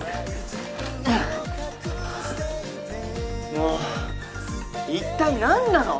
もう一体なんなの！